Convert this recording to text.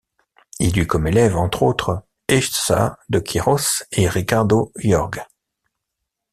Il eut comme élève, entre autres, Eça de Queirós et Ricardo Jorge.